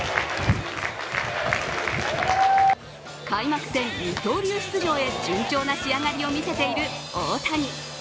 開幕戦二刀流出場へ順調な仕上がりを見せている大谷。